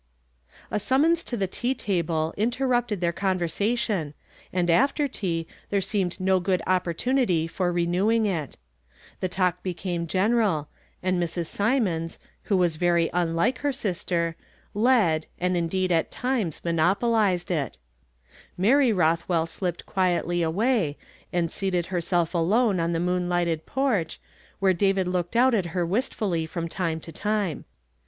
A sununon,' to the tea table interrupted their conversation, and after tea there seemed no good opportunity for renewing it. The talk became I»# I! > f ril ' 144 YESTERDAY FRAMED IN TO DAY. general; and Mrs. Synioiuls, who was very unlike lier sister, led, and indeed at times monopolized it. :Mary llotliwell slipped (piietly away, and seated herself alone on the moonlighted porcli, where David looked out at lier wistfully from time to time.